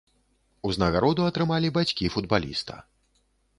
Узнагароду атрымалі бацькі футбаліста.